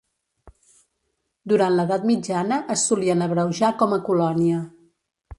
Durant l'Edat Mitjana, es solien abreujar com a "Colonia".